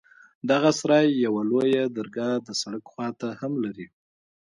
دغه سراى يوه لويه درګاه د سړک خوا ته هم لري.